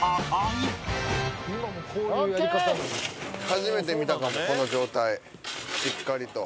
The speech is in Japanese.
初めて見たかもこの状態しっかりと。